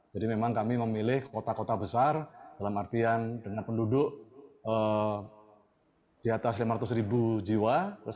jadi memang kami memilih kota kota besar dalam artian dengan penduduk di atas lima ratus jiwa